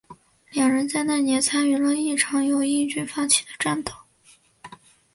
两人在那年参与了一场由英军发起的战斗。